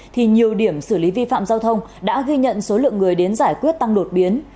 thì nhiều điểm xử lý vi phạm giao thông đã ghi nhận số lượng người đến giải quyết tăng đột biến